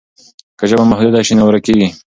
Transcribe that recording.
که ژبه محدوده شي نو ورکېږي.